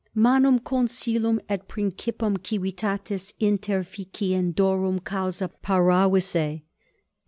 manum consulum et principum civitatis interficiendorum causa paravisse?